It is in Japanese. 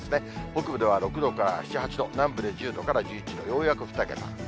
北部では６度から７、８度、南部で１０度から１１度、ようやく２桁。